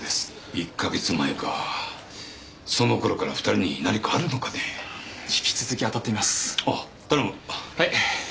１ヵ月前かそのころから２人に何かあるのかねぇ引き続き当たってみますああ頼む